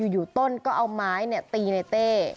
อยู่ต้นก็เอาไม้ตีในเต้